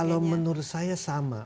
kalau menurut saya sama